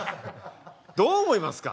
どう思いますか？